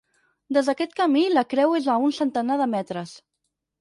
Des d'aquest camí la creu és a un centenar de metres.